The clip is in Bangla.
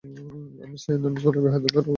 আমি চাই না নতুনরা এখানে বেহুদাই ঘোরাঘুরি করুক!